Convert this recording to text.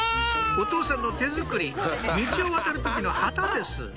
お父さんの手作り道を渡る時の旗です